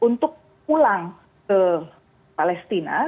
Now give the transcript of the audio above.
untuk pulang ke palestina